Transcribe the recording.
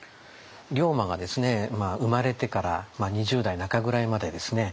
龍馬が生まれてから２０代中ぐらいまでですね